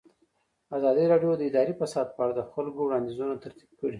ازادي راډیو د اداري فساد په اړه د خلکو وړاندیزونه ترتیب کړي.